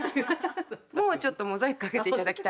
もうちょっとモザイクかけて頂きたいお肌なので。